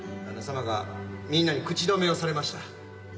旦那様がみんなに口止めをされました。